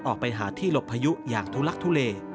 ออกไปหาที่หลบพายุอย่างทุลักทุเล